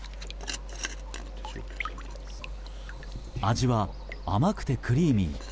味は甘くてクリーミー。